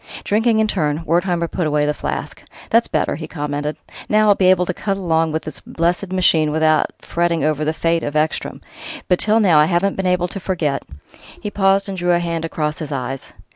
Drinking in turn, Wertheimer put away the flask. "That's better!" he commented. "Now I'll be able to cut along with this blessed machine without fretting over the fate of Ekstrom. But till now I haven't been able to forget " He paused and drew a hand across his eyes.